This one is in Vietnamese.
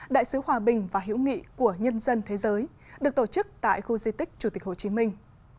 đại sứ hòa bình và hiểu nghị của nhân dân thế giới được tổ chức tại khu di tích chủ tịch hồ chí minh